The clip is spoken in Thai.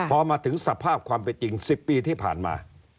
พอมาถึงสภาพความเป็นจริง๑๐ปีที่ผ่านมา